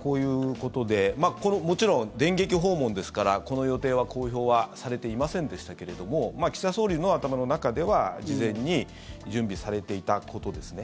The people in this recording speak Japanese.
こういうことでこれもちろん、電撃訪問ですからこの予定は公表はされていませんでしたけど岸田総理の頭の中では事前に準備されていたことですね。